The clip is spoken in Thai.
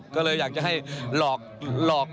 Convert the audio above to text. ก็เลยอยากจะให้หลอก